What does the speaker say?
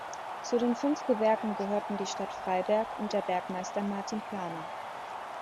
Zu den fünf Gewerken gehörten die Stadt Freiberg und der Bergmeister Martin Planer.